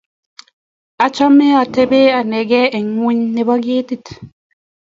Achame atebie anegei eng' ng'weny nebo ketit